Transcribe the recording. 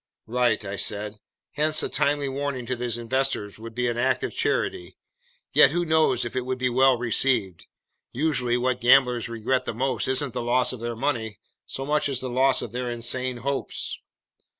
"Right," I said. "Hence a timely warning to those investors would be an act of charity. Yet who knows if it would be well received? Usually what gamblers regret the most isn't the loss of their money so much as the loss of their insane hopes.